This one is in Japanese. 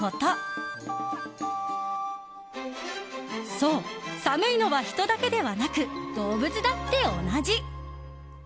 そう、寒いのは人だけではなく動物だって同じ。